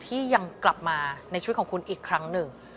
ที่ยังกลับมาในชีวิตของคุณอีกครั้งหนึ่ง